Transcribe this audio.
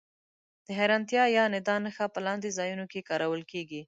د حېرانتیا یا ندا نښه په لاندې ځایونو کې کارول کیږي.